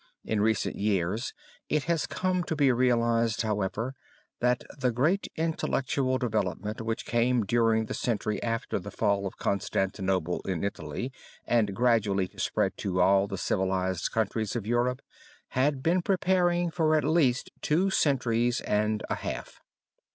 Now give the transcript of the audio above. In recent years it has come to be realized, however, that the great intellectual development which came during the century after the fall of Constantinople in Italy, and gradually spread to all the civilized countries of Europe, had been preparing for at least two centuries and a half.